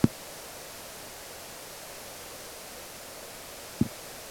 Laba banno bwe baagenze ku buko.